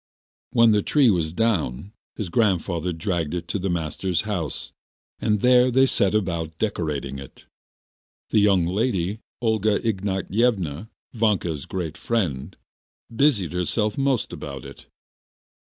When the tree was down, his grandfather dragged it to the master's house, and there they set about decorating it. The young lady, Olga Ignatyevna, Vanka's great friend, busied herself most about it.